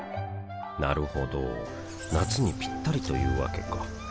なるほど夏にピッタリというわけか